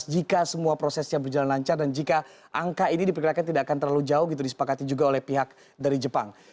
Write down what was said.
jika semua prosesnya berjalan lancar dan jika angka ini diperkirakan tidak akan terlalu jauh gitu disepakati juga oleh pihak dari jepang